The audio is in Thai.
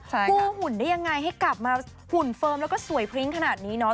กู้หุ่นได้ยังไงให้กลับมาหุ่นเฟิร์มแล้วก็สวยพริ้งขนาดนี้เนาะ